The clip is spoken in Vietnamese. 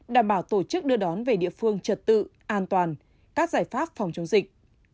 đảm bảo tổ chức đưa đón về địa phương trật tự an toàn các giải pháp phòng chống dịch